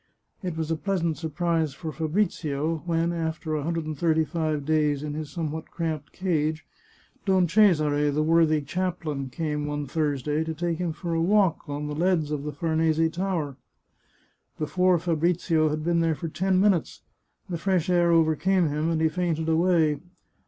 It was a pleasant surprise for Fabrizio, when, after a hun dred and thirty five days in his somewhat cramped cage, Don Cesare, the worthy chaplain, came one Thursday to take him for a walk on the leads of the Farnese Tower. Before Fabrizio had been there for ten minutes, the fresh air over came him, and he fainted away.